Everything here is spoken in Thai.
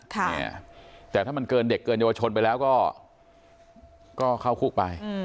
แต่ถ้ามันเกินเด็กเกินเยาวชนไปแล้วก็เข้าคุกไป